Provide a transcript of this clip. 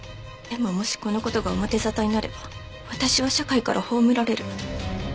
でももしこの事が表沙汰になれば私は社会から葬られる。